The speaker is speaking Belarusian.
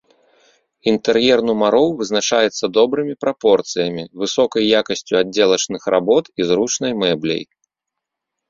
Інтэр'ер нумароў вызначаецца добрымі прапорцыямі, высокай якасцю аддзелачных работ і зручнай мэбляй.